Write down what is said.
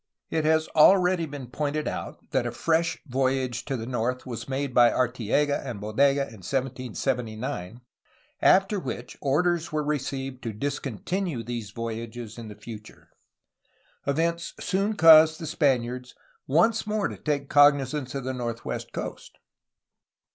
It has already been pointed out that a fresh voyage to the north was made by Arteaga and Bodega in 1779, after which orders were received to discontinue these voyages in the future. Events soon caused the Spaniards once more to take cognizance of the northwest coast.